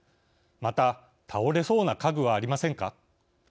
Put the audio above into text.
また倒れそうな家具はありませんか。